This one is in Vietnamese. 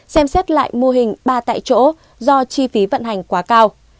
xem xét lại mô hình ba tại chỗ do chi phí vận hành quá cao